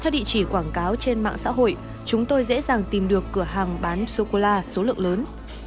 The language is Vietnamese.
theo địa chỉ quảng cáo trên mạng xã hội chúng tôi dễ dàng tìm được cửa hàng bán sô cô la số lượng lớn